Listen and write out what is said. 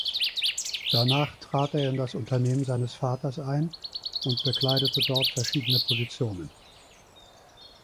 Danach trat er in das Unternehmen seines Vaters ein und bekleidete dort verschiedene Positionen.